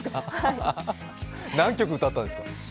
何曲歌ったんですか？